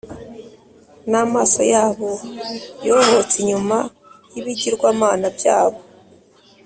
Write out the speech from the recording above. n’amaso yabo yohotse inyuma y’ibigirwamana byabo